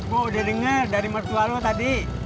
gue udah dengar dari mertua lo tadi